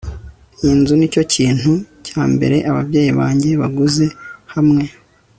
iyi nzu nicyo kintu cya mbere ababyeyi banjye baguze hamwe